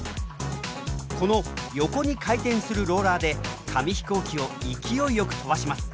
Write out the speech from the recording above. この横に回転するローラーで紙飛行機を勢いよく飛ばします。